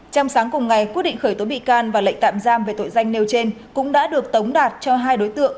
trong sáng cùng ngày quyết định khởi tố bị can và lệnh tạm giam về tội danh nêu trên cũng đã được tống đạt cho hai đối tượng